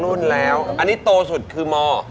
รุ่นแล้วอันนี้โตสุดคือม